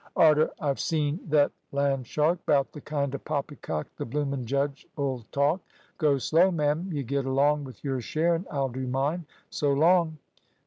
"Arter I've seen thet land shark 'bout the kind of poppy cock th' bloomin' judge ull talk. Go slow, ma'am; y' git along with your share, an' I'll do mine. So long!"